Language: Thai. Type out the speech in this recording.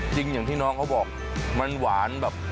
อย่างที่น้องเขาบอกมันหวานแบบ